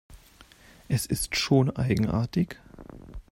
Es ist schon eigenartig.